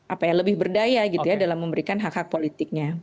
apa ya lebih berdaya gitu ya dalam memberikan hak hak politiknya